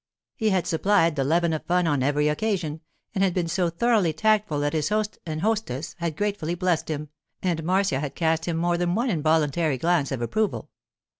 He had supplied the leaven of fun on every occasion, and had been so thoroughly tactful that his host and hostess had gratefully blessed him, and Marcia had cast him more than one involuntary glance of approval.